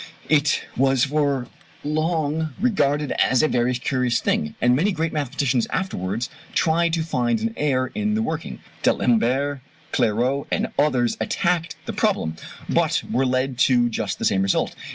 It was for long regarded as a very curious thing, and many great mathematicians afterwards tried to find an error in the working. D'Alembert, Clairaut, and others attacked the problem, but were led to just the same result.